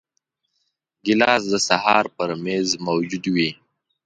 ګیلاس د سهار پر میز موجود وي.